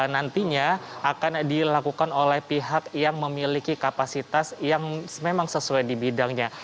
nantinya akan dilakukan oleh pihak yang memiliki kapasitas yang memang sesuai di bidangnya